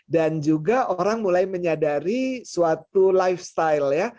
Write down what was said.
dan juga orang mulai menyadari suatu lifestyle